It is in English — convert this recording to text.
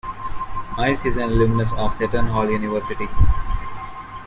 Miles is an alumnus of Seton Hall University.